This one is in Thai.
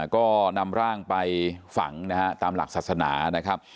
ก็นำร่างไปฝังนะฮะตามหลักศาสนานะครับ